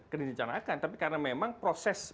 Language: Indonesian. kerencanakan tapi karena memang proses